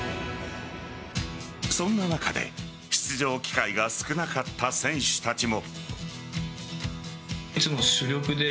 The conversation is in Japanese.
そんな中で出場機会が少なかった選手たちも。